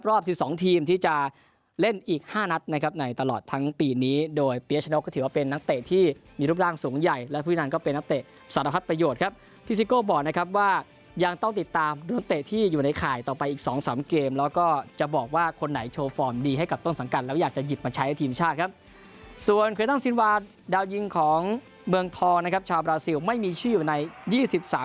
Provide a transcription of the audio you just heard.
รอบที่สองทีมที่จะเล่นอีกห้านัดนะครับในตลอดทั้งปีนี้โดยเป็นนักเตะที่มีรูปร่างสูงใหญ่และพรุ่งนั้นก็เป็นนักเตะสารพัดประโยชน์ครับพิซิโก้บอกนะครับว่ายังต้องติดตามนักเตะที่อยู่ในข่ายต่อไปอีกสองสามเกมแล้วก็จะบอกว่าคนไหนโชว์ฟอร์มดีให้กับต้นสังกันแล้วอยากจะหยิบมาใช้ทีมชาติครับ